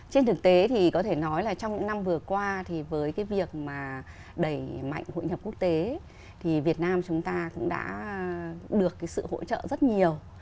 trên thực tế thì có thể nói là trong những năm vừa qua thì với cái việc mà đẩy mạnh hội nhập quốc tế thì việt nam chúng ta cũng đã được cái sự hỗ trợ rất nhiều